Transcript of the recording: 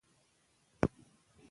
په قبر یې اختلاف روان دی.